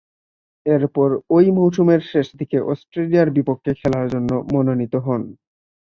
এরপর ঐ মৌসুমের শেষদিকে অস্ট্রেলিয়ার বিপক্ষে খেলার জন্য মনোনীত হন।